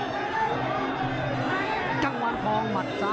กังวจินทรองห้องหมัดซ้าย